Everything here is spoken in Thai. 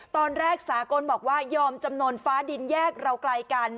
ตอนแรกสากลบอกว่ายอมจำนวนฟ้าดินแยกเราไกลกัน